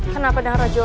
kenapa dara jo